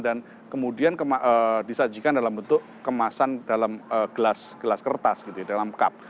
dan kemudian disajikan dalam bentuk kemasan dalam gelas kertas dalam cup